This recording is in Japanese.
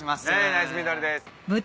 ナイスミドルです。